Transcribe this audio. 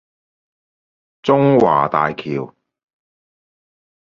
中華大橋